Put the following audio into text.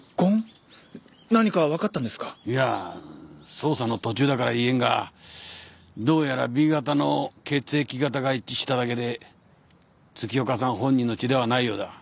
捜査の途中だから言えんがどうやらＢ型の血液型が一致しただけで月岡さん本人の血ではないようだ。